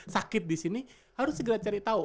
sakit di sini harus segera cari tahu